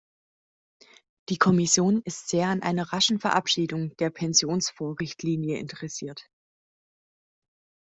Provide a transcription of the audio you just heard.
Die Kommission ist sehr an einer raschen Verabschiedung der Pensionsfondsrichtlinie interessiert.